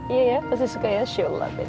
iya ya pasti suka ya she'll love it